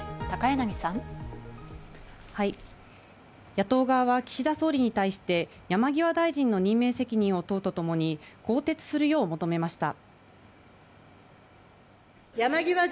野党側は岸田総理に対して山際大臣の任命責任を問うとともに更迭するよう求めました。